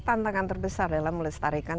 tantangan terbesar dalam melestarikan